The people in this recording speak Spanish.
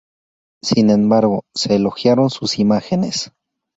Sin embargo se elogiaron sus imágenes.